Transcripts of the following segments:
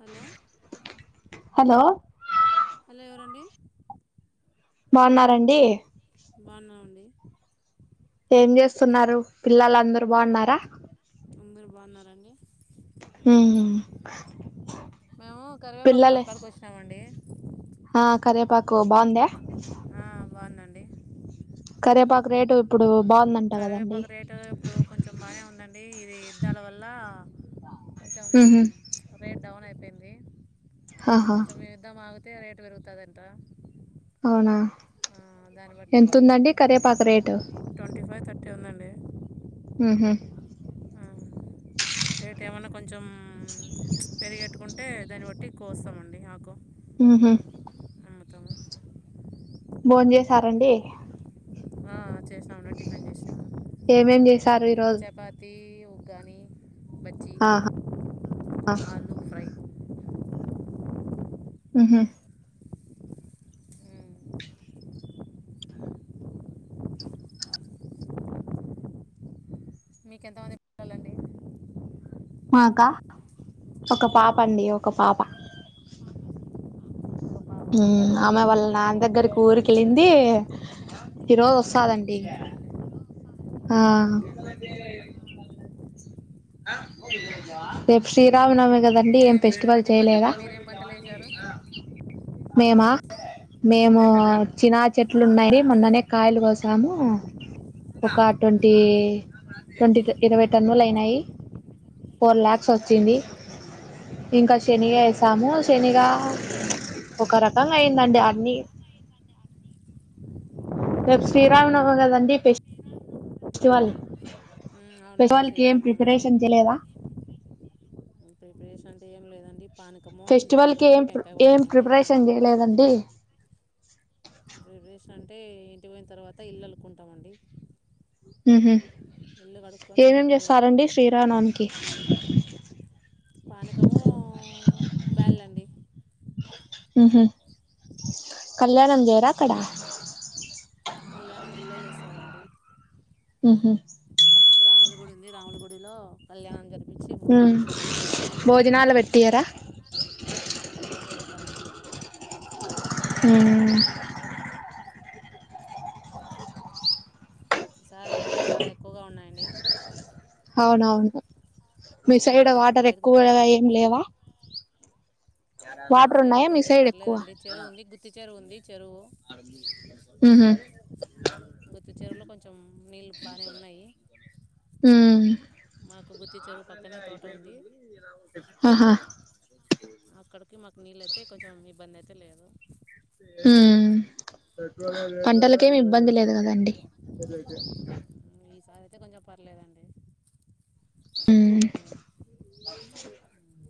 Hello hello hello ఎవరండి బాన్నరండి బాన్నమండి ఏం చేస్తున్నారు పిల్లలు అందరు బాగున్నారా. అందరు బాగున్నారండి. ఉమ్ మేము కరివేపాకు పిల్లలే తోటకాడకి వచ్చినామండి. ఆ కరేపాకు బాగుంధ్య ఆ బాగుదండి కరివేపాకు రేటు ఇప్పుడు బాగుందంట కదండి కరివేపాకు రేటు ఇప్పుడు కొంచెం బానే ఉందండి ఇది యుద్దాల వల్ల కొంచెం ఉహు రేట్ డౌన్ అయిపోయింది ఆహా కొంచెం యుద్ధం ఆగు తే రేట్ పెరుగుతాదంట అవునా ఆ దాన్ని బట్టి ఎంతుందండి కరేపాకు రేటు ట్వంటీ ఫైవ్ థర్టీ ఉందండి ఉ హు రేట్ ఏమన్నా కొంచెం పెరిగట్టుకుం టే దాన్ని బట్టి కోస్తాంమండి ఆకు ఉహు అమ్ముతాము భోన్ చేసారండి ఆ చేసినం అండి టిఫెన్ చేసినం ఏమేం చేసారు ఈ రోజ్ ఉగ్గాని బజ్జీ ఆహా ఆలు ఫ్రై ఉ హు మ్మ్. మీకెంతమంది పిల్లలు మాకా ఒక పాప అండి ఒక పాప ఒక పాప ఉమ్ ఆమె వాళ్ళ నాన్న దగ్గరికి సరే ఊరికెళ్ళింది ఈ రోజు వస్తాదండి సర్లేండి ఆ ఓకే అండి రేప్ శ్రీరామనవమి కదా మీరేమి వెసారండి పంటలు మీరేం పంటలు వేశారు మేమా మేము చినా చెట్లు ఉన్నాయి మొన్ననే కాయలు కోసాము ఒక ట్వంటీ మ్మ్. ట్వంటీ ఇరవై టన్నులు అయినాయి ఫోర్ లాక్స్ మ్మ్. వచ్చింది ఇంకా మ్మ్. శనిగ వేసాము శనిగా ఒక రకంగయిందండి అన్నీ రేప్ శ్రీరామనవమి కదండి ఫెస్ ఫెస్టివల్ ఉమ్, అవునండి ఫెస్టివలకి ఏం శ్రీరామనవమి ప్రిపరేషన్ చేయలేదా ప్రిపరేషన్ అంటే ఏం లేదండి పానకం ఫెస్టివల్ బ్యాళ్లు కి పెట్టి ఏం టెంకాయ ఏం కొడతామండి ప్రిపరేషన్ నైట్కి చేయలేదండి ప్రిపరేషన్ అంటే ఇంటికి పోయిన తర్వాత ఇల్లులలుకుంటామండి ఉహు ఏమేం బుడలు చేస్తారండి శ్రీరామ నవమికి పానకము బ్యాల్ అండి ఉహు కళ్యాణం జేయరా అక్కడ కళ్యాణం గుల్లో చేస్తారండి ఉహు రాముల గుడి ఉంది రాముల గుడిలో కళ్యాణం జరిపి ఉమ్ భోజనాలు పెట్టియర భోజనాలు పెడతారండి ఉ మ్ ఈసారి ఎండలు చాలా ఎక్కువగా ఉన్నాయండి అవునవును మీ ఎండలు సైడ్ కొంచెం వాటర్ బయటకు ఎక్కువగా తగ్గి ఏం లేవా మా వాటర్ సైడ్ ఉన్నాయా మీ కొంచెం పర్లేదండి చెరువు ఉంది గుత్తి చెరువు ఉంది చెరువు ఉ హు గుత్తి చెరువు లో కొంచెం నీళ్ళు బానే ఉన్నాయి ఉమ్ మాకు గుత్తి చెరువు పక్కనే తోట ఉంది అ హా అక్కడికి మాకు నీళ్ళయితే కొంచెం ఇబ్బందైతే లేదు ఉమ్ పంటలకేమి ఇబ్బంది లేదు గదండి ఈసారి అయితే కొంచెం పర్లేదండి ఉమ్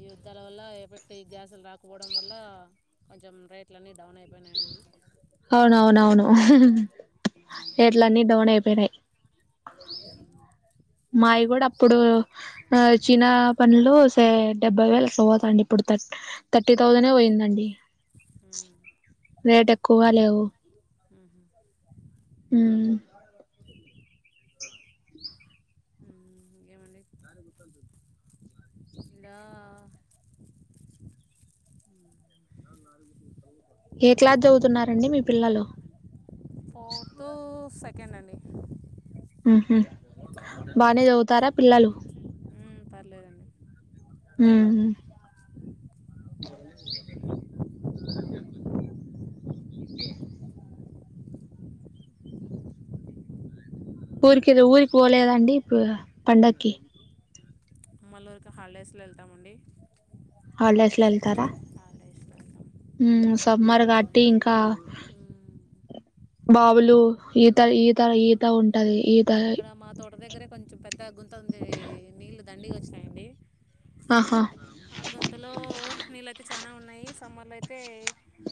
ఈ యుద్ధాల వల్ల ఎఫెక్ట్ అయి గ్యాసులు రాకపోవడం వల్ల కొంచెం రేట్లన్ని డౌన్ అయిపోయినాయండి అవునవునవును ఎట్లన్ని డౌన్ అయిపోయినాయ్ మాయి గూడా అప్పుడు ఆ చినా పండ్లు సే డెబ్బై వేలు అట్ల పోతాండా ఇప్పుడు తట్ థర్టీ థౌసండే పోయిందండి రేట్ ఎక్కువ లేవు మ్ ఇంకేమండి ఇలా ఏ క్లాస్ జదువుతున్నారండి మీ పిల్లలు ఫోర్త్ సెకండ్ అండి ఊ హు బానే జదువుతారా పిల్లలు ఉమ్ పర్లేదండి ఉమ్ ఊరికిలో ఊరికి పోలేదాండి ప పండక్కి మల్లూరుకి హాలిడేస్లో వెళ్తమండి హాలిడేస్లో వెళ్తారా వెళ్తాం ఉమ్ సమ్మర్ కాట్టి ఇంక మ్మ్. బావులు ఈత ఈత ఈత ఉంటది ఈతా ఇక్కడ మా తోట దగ్గరే కొంచెం పెద్ద గుంత ఉంది నీళ్ళు దండిగా వచినాయండి అ హా ఆ గంతలో నీళ్ళయితే చాన ఉన్నాయి సమ్మర్ లో అయితే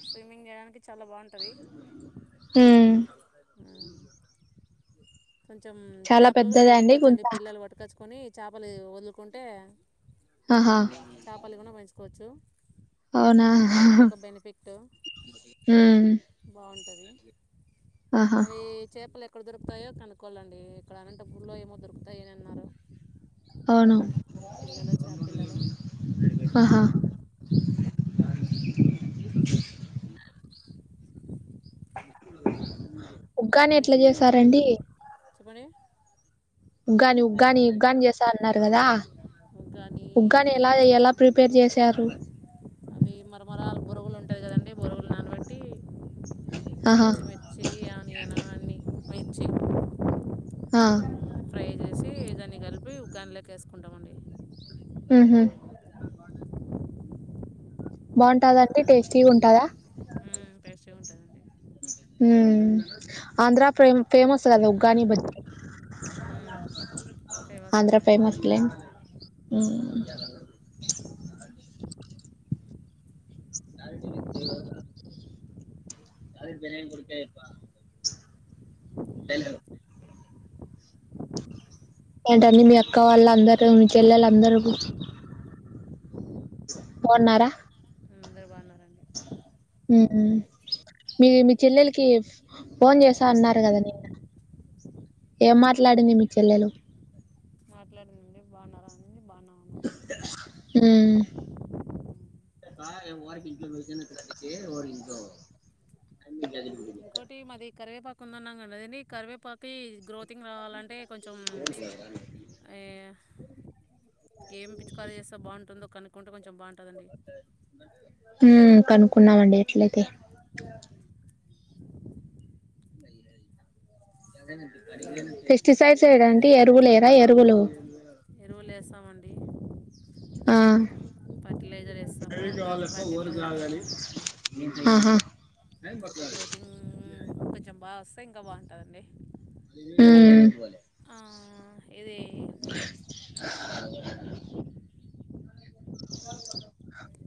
స్విమ్మింగ్ చేయడానికి చాలా బాగుంటది ఉమ్ కొంచెం చాలా చాపలును పెద్దదా అండి వదులుకోవచ్చండి గుంత పిల్లలు పట్టుకచ్చుకొని చాపలు వదులుకుంటే ఆహా చాపల్నీ గన పెంచుకోవచ్చు అవునా అదొక బెనిఫిట్ ఉమ్ ఉంటది ఆహా అవీ చేపల్ ఎక్కడ దొరుకుతాయో కనుక్కోవాలండి ఇక్కడ అనంతపూర్లో ఏమో దొరుకుతాయని అని అన్నారు అవును పిల్లలు చాప పిల్లలు ఆహా మ్మ్. ఉగ్గాని ఎట్లా చేశారండి చెపండి ఉగ్గాని ఉగ్గాని ఉగ్గాని చేశాను అన్నారు గదా కానీ ఉగ్గాని ఎలా ఎలా ప్రిపేర్ చేశారు ఈ మరమరాలు బోరుగులు ఉంటాయి కదండి బోరుగులు నానబెట్టి ఆహా పచ్చిమిర్చి ఆనియను అన్ని మిర్చి ఆ అవి ఉగ్గానిలోక వేసుకుంటామండి ఉ హు బాగుంటాదండి టేస్టీగా ఉంటాదా టేస్టీగా ఉంటదండి ఉమ్ ఆంధ్ర ఫ్రెమ్ ఫేమస్ గద ఉగ్గాని బజ్ ఫేమస్ ఆంధ్ర అండి ఫైమస్లం [unintelligible] [unintelligible] అదు బనియం కొడుక అప్ప ఏంటడి మీ అక్క వాళ్ళ అందరు మీ చెల్లలందరు బాగున్నారా అందరు బాగున్నారండి ఉ మ్ మీ మీ చెల్లెలకి ఫోన్ చేసా అన్నారు కదా నిన్న ఏం ఆ, మాట్లాడింది మీ చెల్లెలు మాట్లాడిందండి బాగున్నారా అంది బాగున్నా ఉన్నామండి ఉమ్ ఇంకోటి మాది కరివేపాకు ఉందన్నాం కదా కరివేపాక్ త్తి గ్రోతిింగ్ రావాలంటే కొంచెం ఈ ఏం పిచ్చికారు చేస్తె బాగుంటుందో కనుక్కుంటే కొంచెం బాగుంటదండి హుమ్ కనుక్కున్నామండి ఎట్లయితే ఫెస్టిసైడ్స్ ఏడాంటి ఎరువులేయరా ఎరువులు లేస్తామండి ఆ అ డ్రిప్ ప్యాకెట్లు వదులుతాము హా ఇంకా గ్రోతిింగ్ కొంచెం బాగా వస్తే ఇంకా బాగుంటదండి ఉమ్ ఆ ఇదీ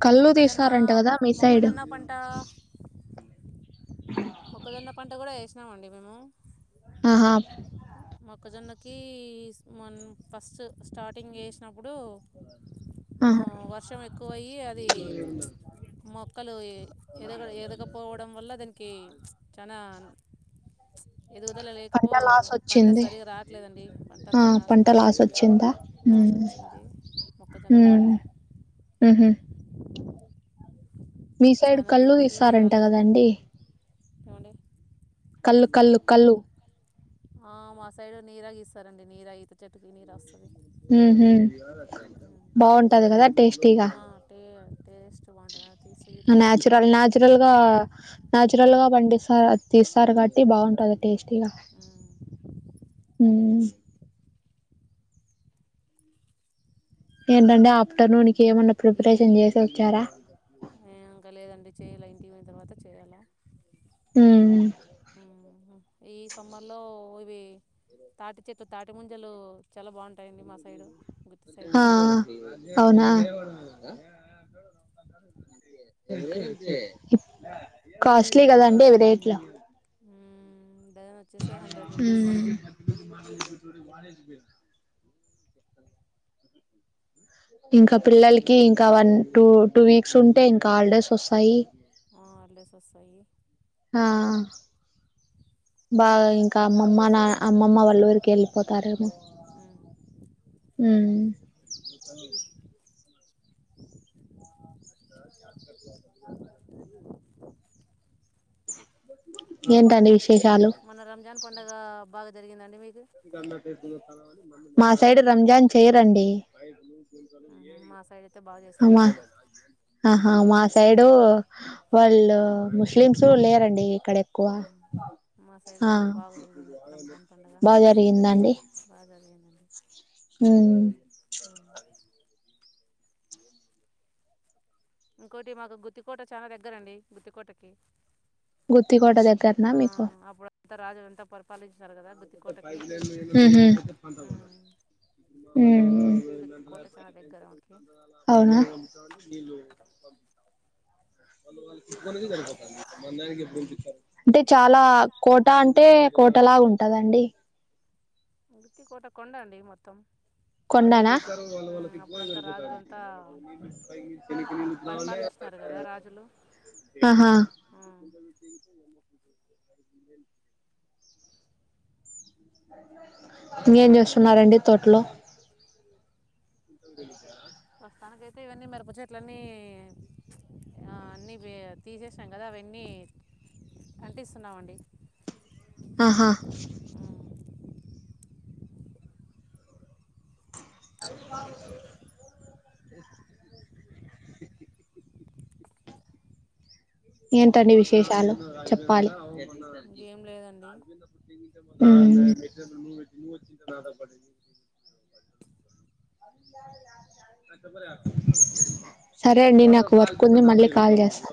కళ్ళు మొక్కజొన్నా తీస్తారంట కదా మీ సైడ్ మొక్కజొన్నా పంట మొక్కజొన్న పంట కూడా వేసినామండి మేము ఆహా ఇ మొన ఫస్ట్ స్టార్టింగ్ వేసినప్పుడు ఆహా వర్షం ఎక్కువ అయ్యి అది మొక్కలు ఎదగ ఎదగపోవడం వల్ల దానికి చానా ఎదుగుదల లేకపో పంట లాస్ పంట వచ్చింది సరిగా రాట్లేదండి పంట ఆ అంతా పంట నాశనం లాస్ అయిపోయింది వచ్చిందా లాస్ ఉమ్ వచ్చింది మొక్కజొన్న పంట ఉ హు మీ సైడ్ చాలా కళ్ళు ఇస్తారంట కదండి ఎవండీ కల్లు కల్లు కల్లు ఆ మా సైడ్ నీరా గీస్తారండి నీరా ఈత చెట్టుకి నీరా వస్తది ఉహు బాగుంటది ఈత కదా చెట్లండి టేస్టీగా ఆ టె-టేస్ట్ బాగుంటది అది తీస్ నాచురల్ నాచురల్ గా నాచురల్ గా పండిస్తారు తీస్తారు కాబట్టి బాగుంటది టేస్టీగా ఉమ్ ఏంటండి ఆఫ్టర్నూన్కి ఏమన్నా ఈ ప్రిపరేషన్ చేసి వచ్చారా ఇంకా లేదండి చేయలే ఇంటికి పోయిన తర్వాత చేయాలా ఊ మ్ ఈ సమ్మర్ లో ఇవి తాటి చెట్లు తాటి ముంజలు చాలా బాగుం హా అవునా కాస్ట్లీ కదండి అవి రేట్లు డజన్ వచ్చేసి హండ్రెడ్ రూపీస్ ఉమ్ ఇంకా పిల్లలకి ఇంకా వన్ టూ టూ వీక్స్ ఉంటే ఇంకా హాలిడేస్ వొస్తాయి హాల్డేస్ వొస్తాయి ఆ బాగా ఇంకా అమ్మమ్మ నా అమ్మమ్మ వాళ్ళ ఊరికి వెళ్ళిపోతారేమో ఉమ్ ఏంటండి విశేషాలు మొన్న రంజాన్ పండగ బాగా జరిగిందండి మీక్ మా సైడ్ రంజాన్ చెయరండి మా సైడ్ అయితే బాగా అమ చేసుకున్నారండి ఆహా మా సైడు వాళ్ళు ముస్లిమ్స్ లేరండి ఇక్కడ ఏక్ మా సైడ్ బాగ జరిగింది రంజాన్ పండగ బా జరిగిందా అండి బాగా జరిగిందండి ఉమ్ ఇంకోటి మాకు గుత్తికోట చాన దగ్గరండి గుత్తికోటకి గుత్తికోట దగ్గర్నా ఆ మీకు అప్పుడు అంతా రాజులు అంతా పరిపాలించినారు కదా గుత్తికోటకి ఉహు ఉమ్ మ్ గుత్తికోట చాలా దగ్గర ఆమెకి మ్ అవునా అంటే చాలా కోట అంటే కోట లాగా ఉం టదండి గుత్తి కోట కొండండి మొత్తం కొండ నా ఉమ్ అప్పుడంతా రాజులంతా పరిపాలించినారు కదా రాజులు ఆహా ఉమ్ ఇంగేమ్ జెస్తున్నారండి తోట్లో [unintelligible] ప్రస్తానికి అయితే ఇవన్నీ మెరప చెేట్లన్నీ ఆ అన్నీ పె తీసేసాం గదా అవన్నీ అంటిస్తున్నామండి ఆహా ఉమ్, ఏంటండీ విశేషాలు చెప్పాలి ఇంకేం లేదండి ఉమ్ [unintelligible] సరే అండి నాకు వర్క్ ఉంది మళ్ళీ కాల్ చేస్తా